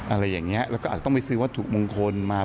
อะไรอย่างนี้แล้วก็อาจจะต้องไปซื้อวัตถุมงคลมา